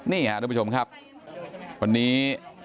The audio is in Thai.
นี่ค่ะทุกผู้ชมครับวันนี้